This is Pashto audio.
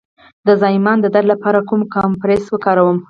د زایمان د درد لپاره کوم کمپرس وکاروم؟